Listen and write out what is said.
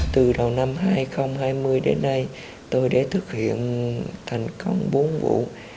từ đầu năm hai nghìn hai mươi đến nay tôi đã thực hiện thành công bốn vụ